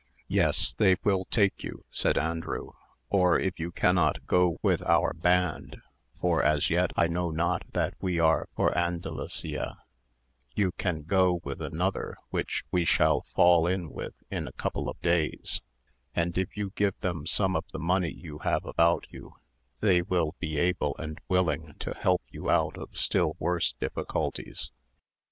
"Yes, they will take you," said Andrew; "or if you cannot go with our band—for as yet I know not that we are for Andalusia—you can go with another which we shall fall in with in a couple of days; and if you give them some of the money you have about you, they will be able and willing to help you out of still worse difficulties."